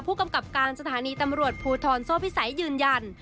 ผู้กำกับการสถานีตำรวจภูทรโซ่พิสัยยืนยัน